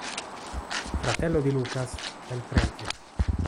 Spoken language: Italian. Fratello di Lucas, fa il prete.